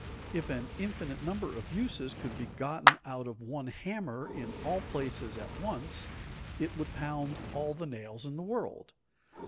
If an infinite number of uses could be gotten out of one hammer in all places at once, it would pound all the nails in the world.